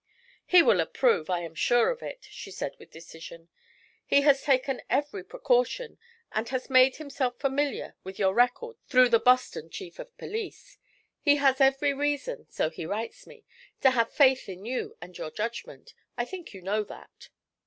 'He will approve, I am sure of it,' she said with decision. 'He has taken every precaution, and has made himself familiar with your record through the Boston chief of police. He has every reason, so he writes me, to have faith in you and in your judgment. I think you know that.'